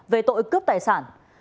về tội cướp tài sản